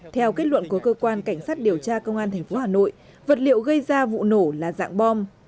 theo kết luận của cơ quan cảnh sát điều tra công an tp hà nội vật liệu gây ra vụ nổ là dạng bom